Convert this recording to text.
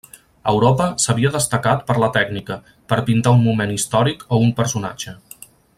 Europa s'havia destacat per la tècnica, per pintar un moment històric o un personatge.